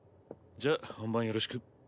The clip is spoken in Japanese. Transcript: じゃあ本番よろしく。